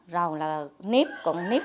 rồi là nếp cộng nếp